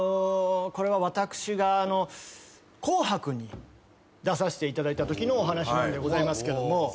これは私が『紅白』に出させていただいたときのお話なんでございますけども。